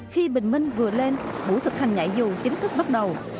khi bình minh vừa lên buổi thực hành nhảy dù chính thức bắt đầu